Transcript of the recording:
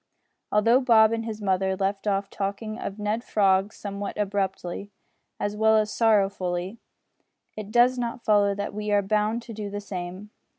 Although Bob and his mother left off talking of Ned Frog somewhat abruptly, as well as sorrowfully, it does not follow that we are bound to do the same.